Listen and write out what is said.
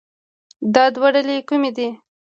دا دوه ډلې کومې دي